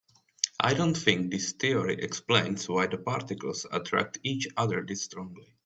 I don't think this theory explains why the particles attract each other this strongly.